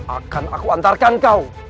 akan aku antarkan kau